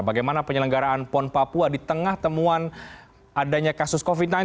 bagaimana penyelenggaraan pon papua di tengah temuan adanya kasus covid sembilan belas